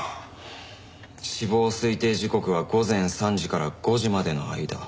死亡推定時刻は午前３時から５時までの間。